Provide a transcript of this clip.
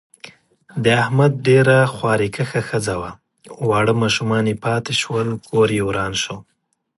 د احمد ډېره خواریکښه ښځه وه، واړه ماشومان یې پاتې شول. کوریې وران شو.